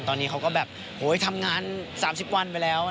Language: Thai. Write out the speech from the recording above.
ตอนนี้เขาก็แบบทำงาน๓๐วันไปแล้ว